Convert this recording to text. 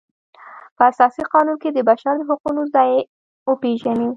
په اساسي قانون کې د بشر د حقونو ځای وپیژني.